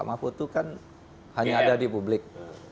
mahfud itu kan hanya ada di publik